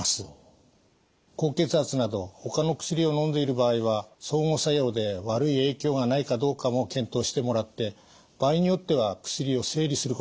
高血圧などほかの薬をのんでいる場合は相互作用で悪い影響がないかどうかも検討してもらって場合によっては薬を整理することもあります。